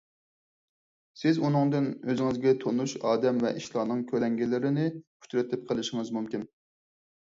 سىز ئۇنىڭدىن ئۆزىڭىزگە تونۇش ئادەم ۋە ئىشلارنىڭ كۆلەڭگىلىرىنى ئۇچرىتىپ قېلىشىڭىز مۇمكىن.